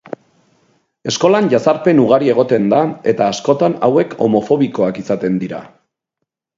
Eskolan jazarpen ugari egoten da eta askotan hauek homofobikoak izaten dira.